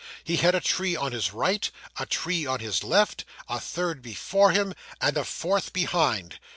He had a tree on his right, a tree on his left, a third before him, and a fourth behind.